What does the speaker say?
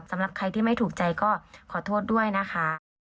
สำหรับใครที่ไม่ถูกใจก็ขอโทษด้วยนะคะ